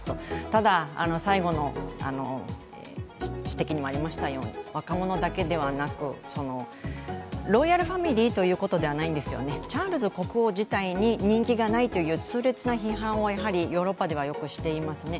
ただ、最後の指摘にもありましたように、若者だけではなく、ロイヤルファミリーということではないんですよね、チャールズ国王自体に人気がないという、痛烈な批判をヨーロッパではよくしていますね。